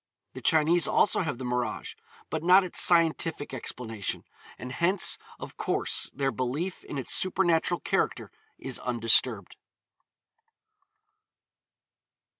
The Chinese also have the mirage, but not its scientific explanation, and hence of course their belief in its supernatural character is undisturbed.